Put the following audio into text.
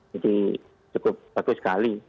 jadi cukup bagus sekali